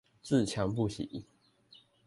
自強不息